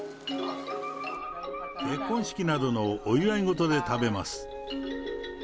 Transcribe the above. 結婚式などのお祝いごとで食べます。